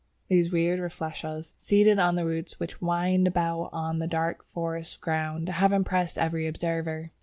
These weird Rafflesias seated on the roots "which wind about on the dark forest ground" have impressed every observer.